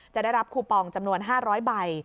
จะได้รับคูปองจำนวน๕๐๐ใบ